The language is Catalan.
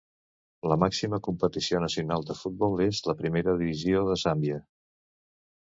La màxima competició nacional de futbol és la Primera Divisió de Zàmbia.